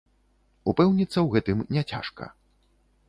Упэўніцца ў гэтым няцяжка.